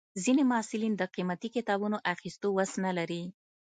ځینې محصلین د قیمتي کتابونو اخیستو وس نه لري.